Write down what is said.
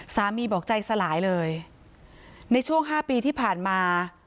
บอกใจสลายเลยในช่วง๕ปีที่ผ่านมา